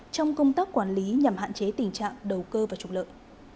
trong công tác quản lý nhằm hạn chế tình trạng đầu cơ và trục lợi